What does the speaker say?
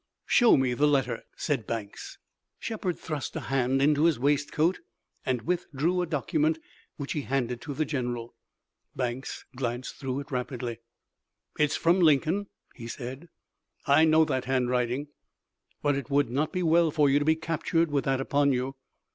"Show me the letter," said Banks. Shepard thrust a hand into his waistcoat and withdrew a document which he handed to the general. Banks glanced through it rapidly. "It's from Lincoln," he said; "I know that handwriting, but it would not be well for you to be captured with that upon you."